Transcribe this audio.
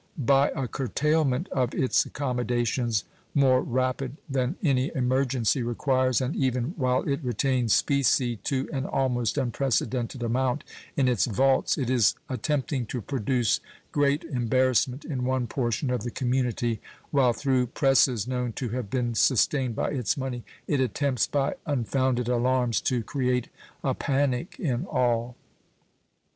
By a curtailment of its accommodations more rapid than any emergency requires, and even while it retains specie to an almost unprecedented amount in its vaults, it is attempting to produce great embarrassment in one portion of the community, while through presses known to have been sustained by its money it attempts by unfounded alarms to create a panic in all.